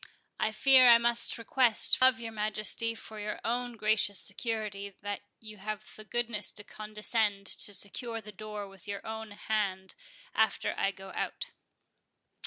I fear I must request of your Majesty, for your own gracious security, that you have the goodness to condescend to secure the door with your own hand after I go out."